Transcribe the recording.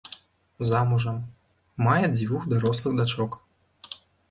Замужам, мае дзвюх дарослых дачок.